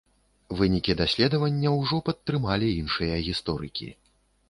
Вынікі даследавання ўжо падтрымалі іншыя гісторыкі.